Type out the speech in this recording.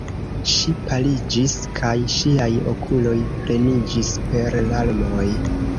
Ŝi paliĝis, kaj ŝiaj okuloj pleniĝis per larmoj.